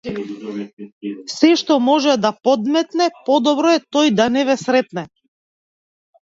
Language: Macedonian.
Сешто може да подметне подобро е тој да не ве сретне.